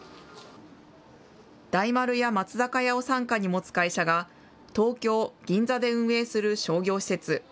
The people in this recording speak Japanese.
大丸や松坂屋を傘下に持つ会社が、東京・銀座で運営する商業施設。